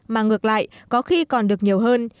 mà ngược lại có khi còn được nhiều hơn